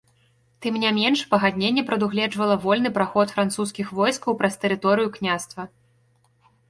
Тым не менш, пагадненне прадугледжвала вольны праход французскіх войскаў праз тэрыторыю княства.